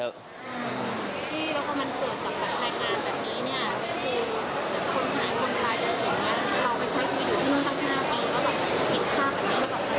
พี่แล้วมันเกิดกับรายงานแบบนี้คนหายคนตายอยู่อย่างนี้